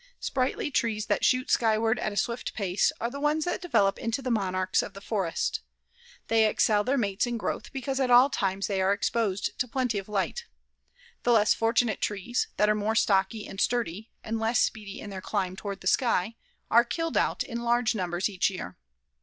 Sprightly trees that shoot skyward at a swift pace are the ones that develop into the monarchs of the forest. They excel their mates in growth because at all times they are exposed to plenty of light. The less fortunate trees, that are more stocky and sturdy, and less speedy in their climb toward the sky, are killed out in large numbers each year.